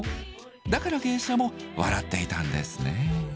だから芸者も笑っていたんですね。